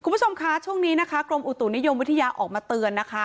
คุณผู้ชมคะช่วงนี้นะคะกรมอุตุนิยมวิทยาออกมาเตือนนะคะ